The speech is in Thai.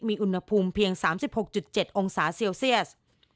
มีอุณหภูมิเพียง๓๖๗องศาเซลเซียส